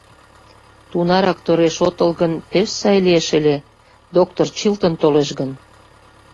Тунарак тореш отыл гын, пеш сай лиеш ыле... доктыр Чилтон толеш гын.